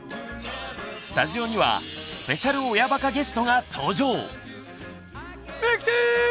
スタジオにはスペシャル「親バカ」ゲストが登場！